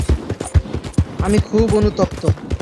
আমি খুব অনুতপ্ত।